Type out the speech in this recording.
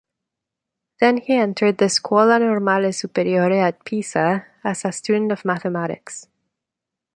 Then he entered the Scuola Normale Superiore at Pisa as a student of mathematics.